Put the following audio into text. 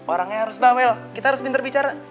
orangnya harus bawel kita harus pintar bicara